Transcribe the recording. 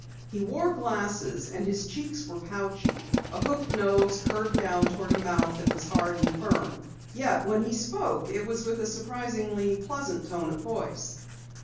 He wore glasses and his cheeks were pouchy; a hooked nose curved down toward a mouth that was hard and firm. Yet when he spoke it was with a surprisingly pleasant tone of voice.